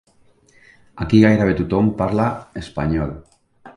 Aquí, gairebé tothom parla espanyol.